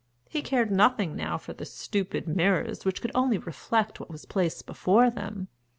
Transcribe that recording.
He cared nothing now for the stupid mirrors which could only reflect what was placed before them.